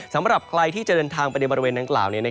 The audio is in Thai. สำหรับใครที่จะเดินทางไปในบริเวณดังกล่าว